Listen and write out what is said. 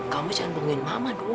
kamu jangan bohongin mama dulu